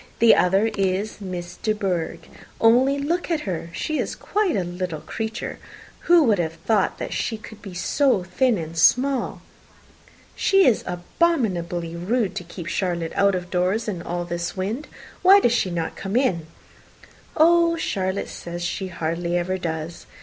The other is Miss De Bourgh. Only look at her. She is quite a little creature. Who would have thought she could be so thin and small!" "She is abominably rude to keep Charlotte out of doors in all this wind. Why does she not come in?" "Oh, Charlotte says she hardly ever does.